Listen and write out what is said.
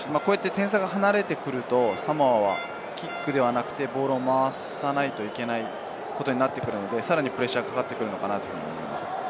点差が離れてくると、サモアはキックではなくて、ボールを回さないといけないことになってくるので、さらにプレッシャーがかかってくると思います。